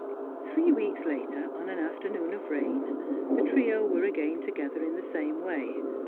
Three weeks later, on an afternoon of rain, the trio were again together in the same way.